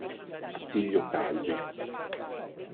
Attilio Calvi.